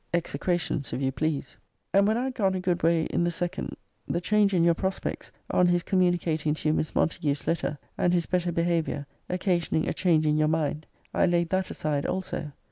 [Execrations, if you please.] And when I had gone a good way in the second, the change in your prospects, on his communicating to you Miss Montague's letter, and his better behaviour, occasioning a change in your mind, I laid that aside also.